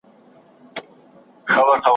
د پانګي تولید به په راتلونکي کي ښه سي.